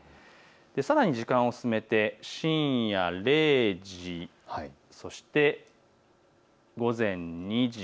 さらに時間を進めて深夜０時、そして午前２時。